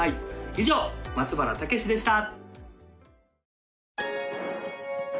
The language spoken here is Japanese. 以上松原健之でした